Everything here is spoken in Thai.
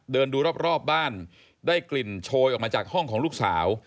เดินดูรอบบ้านได้กลิ่นโชยออกมาจากห้องของลูกสาว